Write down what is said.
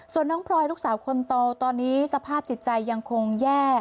ส่วนน้องพลอยลูกสาวคนโตตอนนี้สภาพจิตใจยังคงแย่